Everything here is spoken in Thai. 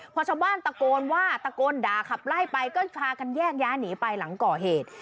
พอชาวบ้านตะโกนว่าตะโกนด่าขับไล่ไปก็พากันแยกย้ายหนีไปหลังก่อเหตุ